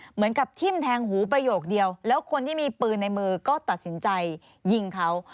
เหมือนกับทิ้มแทงหูประโยคเดียวแล้วคนที่มีปืนในมือก็ตัดสินใจยิงเขา